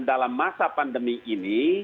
dalam masa pandemi ini